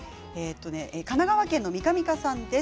神奈川県の方です。